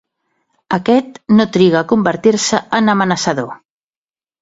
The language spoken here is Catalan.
Aquest no triga a convertir-se en amenaçador.